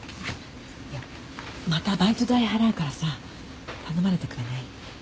いやまたバイト代払うからさ頼まれてくれない？